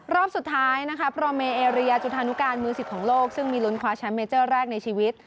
รอบสุดท้ายนะคะโปรเมเอเรียจุธานุการมือ๑๐ของโลกซึ่งมีลุ้นคว้าแชมป์เมเจอร์แรกในชีวิต